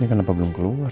ini kenapa belum keluar